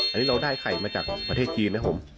อันนี้เราได้ไข่มาจากประเทศจีนนะครับผม